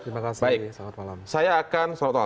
terima kasih selamat malam